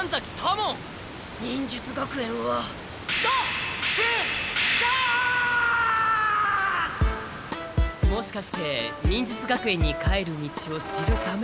もしかして忍術学園に帰る道を知るために修行しているのか？